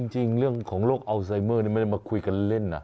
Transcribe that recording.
จริงเรื่องของโรคอัลไซเมอร์นี่ไม่ได้มาคุยกันเล่นนะ